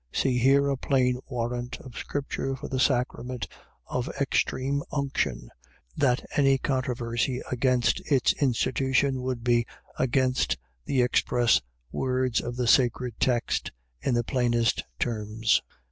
.See here a plain warrant of scripture for the sacrament of extreme unction, that any controversy against its institution would be against the express words of the sacred text in the plainest terms.